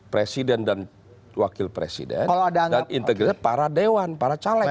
presiden dan wakil presiden dan integritas para dewan para caleg